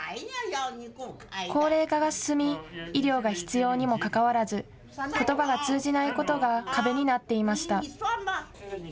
高齢化が進み医療が必要にもかかわらずことばが通じないことが壁になっていました。